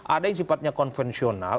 ada yang sifatnya konvensional